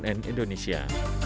tim liputan cnn indonesia